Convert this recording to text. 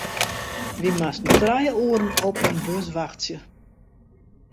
Wy moasten trije oeren op in bus wachtsje.